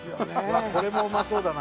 これもうまそうだな。